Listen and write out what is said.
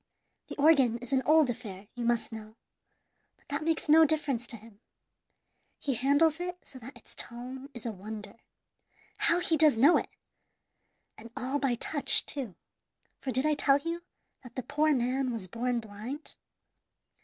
The organ is an old affair, you must know; but that makes no difference to him. He handles it so that its tone is a wonder. How he does know it! and all by touch, too, for did I tell you that the poor man was born blind?